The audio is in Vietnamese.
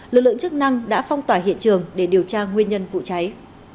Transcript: lực lượng chức năng đã phong tỏa hiện trường để điều tra nguyên nhân vụ cháy